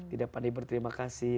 tidak pandai berterima kasih